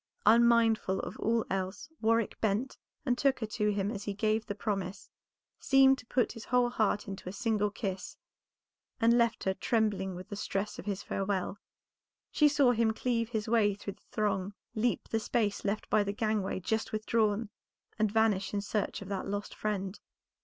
Unmindful of all else Warwick bent and took her to him as he gave the promise, seemed to put his whole heart into a single kiss and left her trembling with the stress of his farewell. She saw him cleave his way through the throng, leap the space left by the gangway just withdrawn, and vanish in search of that lost friend.